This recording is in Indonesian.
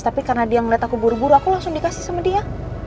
tapi karena dia melihat aku buru buru aku langsung dikasih sama dia